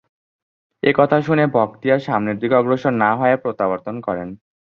এই কথা শুনে বখতিয়ার সামনের দিকে অগ্রসর না হয়ে প্রত্যাবর্তন করেন।